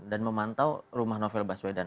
dan memantau rumah novel baswedan